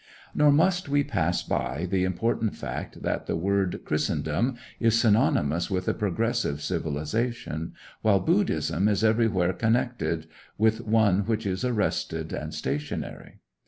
Nor must we pass by the important fact that the word Christendom is synonymous with a progressive civilization, while Buddhism is everywhere connected with one which is arrested and stationary.